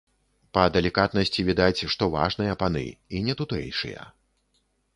Па далікатнасці відаць, што важныя паны і не тутэйшыя.